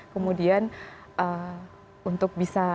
kemudian untuk bisa